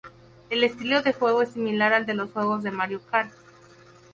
El estilo de juego es similar al de los juegos de Mario Kart.